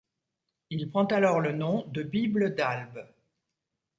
Il prend alors le nom de Bible d'Albe.